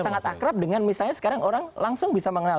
sangat akrab dengan misalnya sekarang orang langsung bisa mengenal